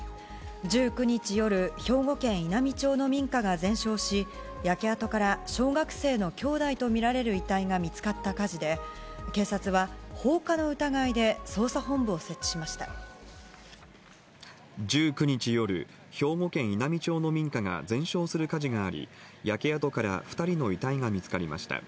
１９日夜兵庫県稲美町の民家が全焼し焼け跡から小学生の兄弟とみられる遺体が見つかった火事で警察は放火の疑いで１９日夜兵庫県稲美町の民家が全焼する火事があり焼け跡から２人の遺体が見つかりました。